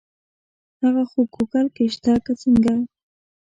هغه خو ګوګل کې شته که څنګه.